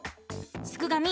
すくがミ